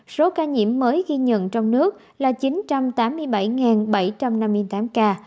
số ca nhiễm mới ghi nhận trong nước là chín trăm tám mươi bảy bảy trăm năm mươi tám ca